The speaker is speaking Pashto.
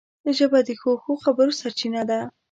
ژبه د ښو ښو خبرو سرچینه ده